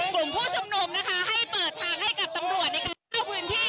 กลุ่มผู้ชุมนุมนะคะให้เปิดทางให้กับตำรวจในการเข้าพื้นที่